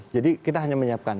jadi kita hanya menyiapkan